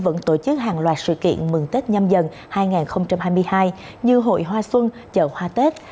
vẫn tổ chức hàng loạt sự kiện mừng tết nhâm dần hai nghìn hai mươi hai như hội hoa xuân chợ hoa tết